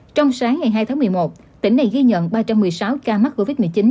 trong sáng ngày hai tháng một mươi một tỉnh này ghi nhận ba trăm một mươi sáu ca mắc covid một mươi chín